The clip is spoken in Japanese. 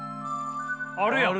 あるやん！